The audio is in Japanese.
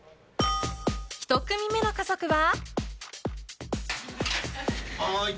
１組目の家族は。